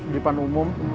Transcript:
di depan umum